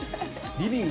リビング